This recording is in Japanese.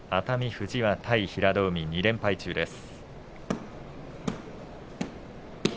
富士は対平戸海２連敗中です。